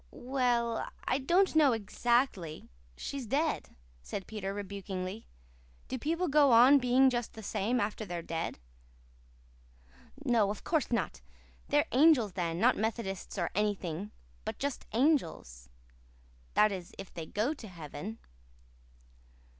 "Well, I don't know exactly. She's dead," said Peter rebukingly. "Do people go on being just the same after they're dead?" "No, of course not. They're angels then not Methodists or anything, but just angels. That is, if they go to heaven."